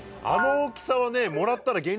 あの大きさはもらったら。